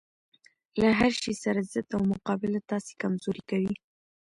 له هرشي سره ضد او مقابله تاسې کمزوري کوي